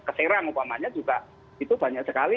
keserang umpamanya juga itu banyak sekali